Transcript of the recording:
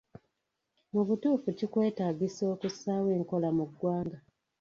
Mu butuufu kitwetaagisa okussaawo enkola mu ggwanga